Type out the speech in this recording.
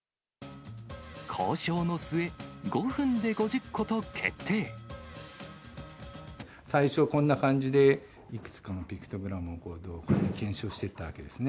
交渉の末、最初、こんな感じで、いくつかのピクトグラムを検証していったわけですね。